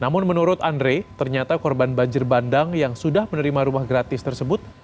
namun menurut andre ternyata korban banjir bandang yang sudah menerima rumah gratis tersebut